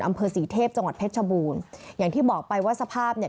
อำเภอศรีเทพจังหวัดเพชรชบูรณ์อย่างที่บอกไปว่าสภาพเนี่ย